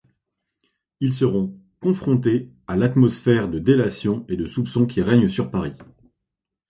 Ils seront confrontés à l'atmosphère de délation et de soupçon qui règne sur Paris.